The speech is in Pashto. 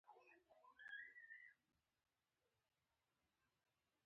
د ګرګين رنګ سور شو او د خزانې وزير يې په دروغو متهم کړ.